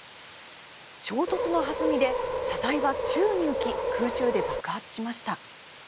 衝突の弾みで車体は宙に浮き空中で爆発しました。